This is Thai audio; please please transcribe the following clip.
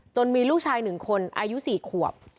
จนมีลูกชายหนึ่งคนอายุสี่ขวบ